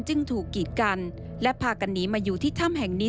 จึงถูกกีดกันและพากันหนีมาอยู่ที่ถ้ำแห่งนี้